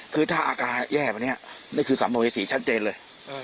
คือถ้าอาการแย่กว่านี้นี่คือสัมภเวษีชัดเจนเลย